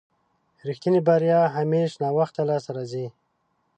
رښتينې بريا همېش ناوخته لاسته راځي.